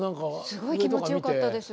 すごい気持ちよかったです。